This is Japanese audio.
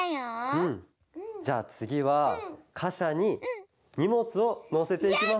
じゃあつぎはかしゃににもつをのせていきます。